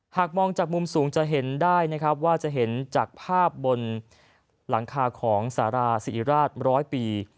หากมองจากมุมสูงจะเห็นได้นะครับว่าจะเห็นจากภาพบนหลังคาของสาราศิริราชร้อยปี